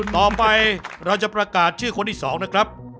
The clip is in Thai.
เราจะประกาศชื่อคนที่๒นะครับ